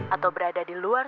atau berada di luar